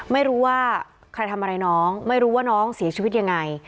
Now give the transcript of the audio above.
ไม่รู้ว่าใครทำอะไรน้องไม่รู้ว่าน้องเสียชีวิตยังไง